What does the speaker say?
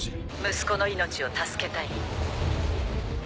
息子の命を助けたい？